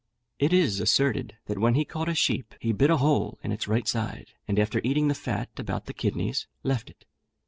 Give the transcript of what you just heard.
It is asserted, that when he caught a sheep, he bit a hole in its right side, and after eating the fat about the kidneys, left it.